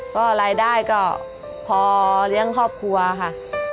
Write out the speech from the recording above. ก็รายได้ก็พอเลี้ยงครอบครัวค่ะ